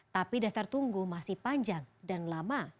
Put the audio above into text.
tapi daftar tunggu masih panjang dan lama